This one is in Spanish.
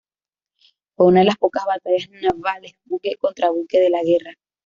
Fue una de las pocas batallas navales buque contra buque de la guerra.